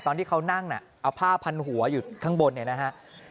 ตอนที่เขานั่งเอาผ้าพันหัวอยู่ข้างบนเนี่ยนะฮะ